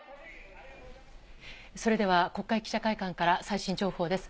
それでは国会記者会館から最新情報です。